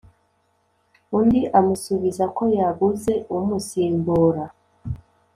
Undi amusubiza ko yabuze umusimbura